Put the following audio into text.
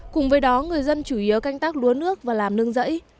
cùng với đó người dân chủ yếu canh tác lúa nước và làm nương rẫy